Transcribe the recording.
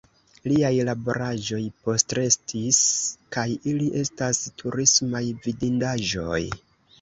Liaj laboraĵoj postrestis kaj ili estas turismaj vidindaĵoj.